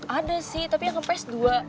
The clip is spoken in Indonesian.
ada sih tapi yang nge paste dua